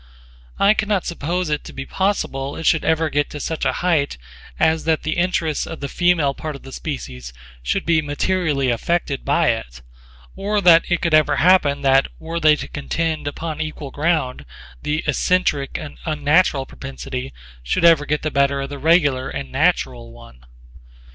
I can not suppose it to [be] possible it should ever get to such a heighth as that the interests of the female part of the species should be materially affected by it: or that it could ever happen that were they to contend upon equal ground the eccentric and unnatural propensity should ever get the better of the regular and natural one.